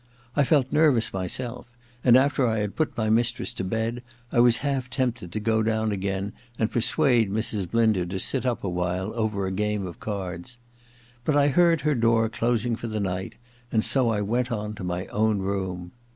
I felt nervous myself, and after I had put my mistress to bed I was half tempted to go down again and persuade Mrs. Blinder to sit up a while over a game of cards. But I heard her door closing for the night and so I went on to my own room.